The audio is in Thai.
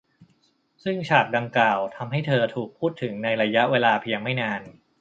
ซึ่งฉากดังกล่าวทำให้เธอถูกพูดถึงในระยะเวลาเพียงไม่นาน